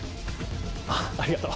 あぁありがとう。